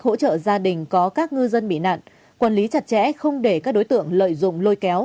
hỗ trợ gia đình có các ngư dân bị nạn quản lý chặt chẽ không để các đối tượng lợi dụng lôi kéo